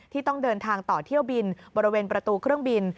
ต้องเดินทางต่อเที่ยวบินบริเวณประตูเครื่องบิน